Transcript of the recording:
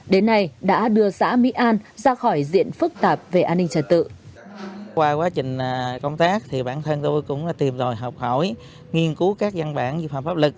đến nay đã đưa xã mỹ an ra khỏi diện phức tạp về an ninh trật tự